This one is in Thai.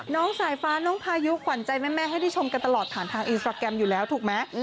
น้องสายฟ้าน้องพายุขวัญใจแม่ให้ได้ชมกันตลอดผ่านทางอินสตราแกรมอยู่แล้วถูกไหม